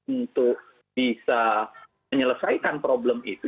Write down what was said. untuk bisa menyelesaikan problem itu